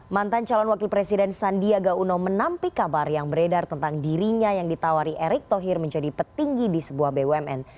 mantan calon wakil presiden sandiaga uno menampik kabar yang beredar tentang dirinya yang ditawari erick thohir menjadi petinggi di sebuah bumn